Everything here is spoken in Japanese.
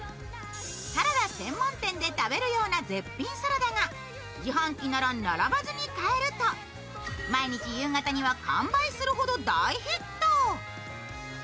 サラダ専門店で食べるような絶品サラダが自販機なら並ばずに買えると、毎日、夕方には完売するほど大ヒット。